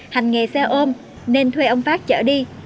hành nghề xe ôm nên thuê ông phát trở đi